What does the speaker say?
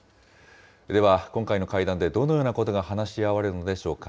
では、今回の会談でどのようなことが話し合われるのでしょうか。